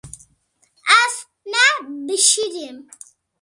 Ez nebişirîm